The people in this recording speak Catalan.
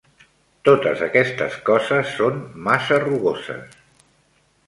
Totes aquestes coses són massa rugoses.